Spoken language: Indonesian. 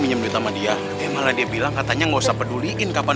minum duit sama dia emang lah dia bilang katanya nggak usah peduliin kapan